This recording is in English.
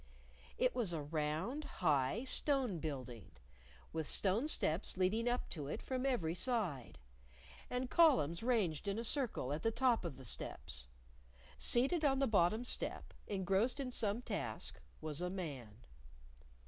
It was a round, high, stone building, with stone steps leading up to it from every side, and columns ranged in a circle at the top of the steps. Seated on the bottom step, engrossed in some task, was a man.